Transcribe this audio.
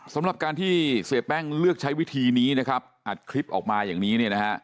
สำหรับการที่เสียแป้งเลือกใช้วิธีนี้นะครับอัดคลิปออกมาอย่างนี้เนี่ยนะฮะ